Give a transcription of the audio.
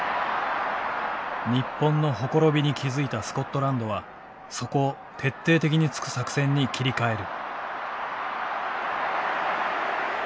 日本の綻びに気付いたスコットランドはそこを徹底的につく作戦に切り替える。